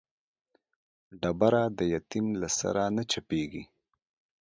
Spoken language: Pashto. ډبره د يتيم له سره نه چپېږي.